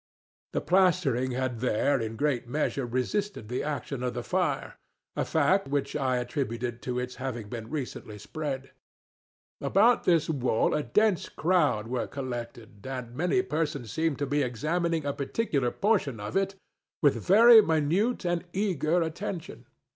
The plastering had here, in great measure, resisted the action of the fireŌĆöa fact which I attributed to its having been recently spread. About this wall a dense crowd were collected, and many persons seemed to be examining a particular portion of it with very minute and eager attention.